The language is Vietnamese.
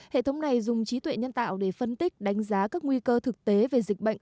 hệ thống này dùng trí tuệ nhân tạo để phân tích đánh giá các nguy cơ thực tế về dịch bệnh